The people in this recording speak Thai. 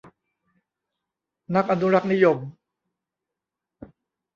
นักอนุรักษ์นิยม